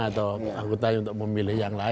atau anggota untuk memilih